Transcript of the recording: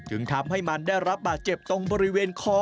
จึงทำให้มันได้รับบาดเจ็บตรงบริเวณคอ